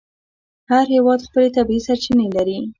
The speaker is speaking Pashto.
هر هېواد خپلې طبیعي سرچینې لري.